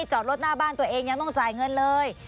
จอดรถหน้าบ้านตัวเองยังต้องจ่ายเงินเลย